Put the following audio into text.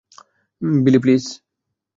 বিলি, প্লিজ!